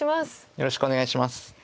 よろしくお願いします。